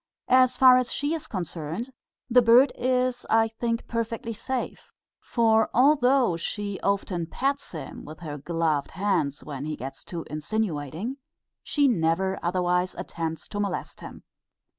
As far as she is concerned, the bird is I think perfectly safe; for although she often pats him with her gloved hand when he gets too insinuating, she never otherwise attempts to molest him.